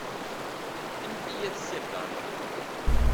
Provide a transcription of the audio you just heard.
Anef-iyi ad sirdeɣ leqlul.